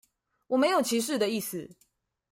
我沒有歧視的意思